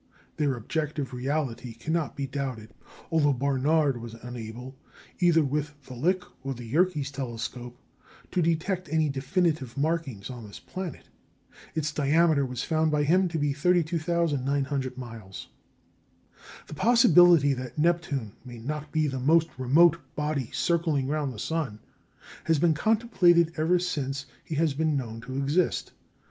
Their objective reality cannot be doubted, although Barnard was unable, either with the Lick or the Yerkes telescope, to detect any definite markings on this planet. Its diameter was found by him to be 32,900 miles. The possibility that Neptune may not be the most remote body circling round the sun has been contemplated ever since he has been known to exist.